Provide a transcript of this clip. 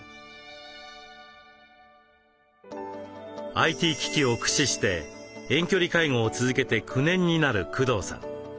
ＩＴ機器を駆使して遠距離介護を続けて９年になる工藤さん。